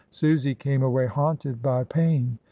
Susy came away haunted by pain.